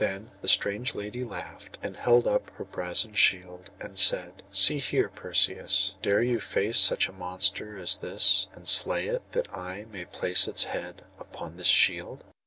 Then that strange lady laughed, and held up her brazen shield, and cried: 'See here, Perseus; dare you face such a monster as this, and slay it, that I may place its head upon this shield?